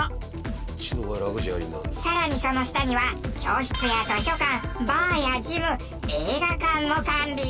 更にその下には教室や図書館バーやジム映画館も完備。